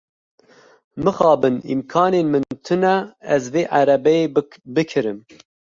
Mixabin, îmkanên min tune ez vê erebeyê bikirim.